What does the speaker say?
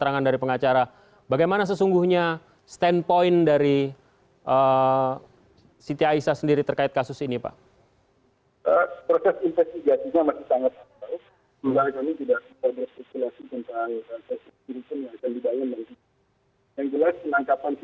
dan karena alasan keamanan siti aisyah sudah dipindahkan dari penjara selangor